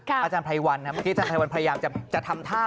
อาจารย์พัยวัลาที่อาจารย์พัยวัลพยายามจะจะทำท่า